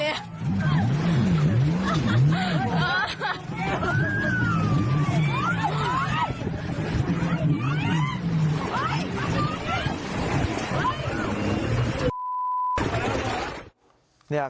เฮ่ยมันกำลังมา